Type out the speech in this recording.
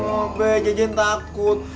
oh be jejen takut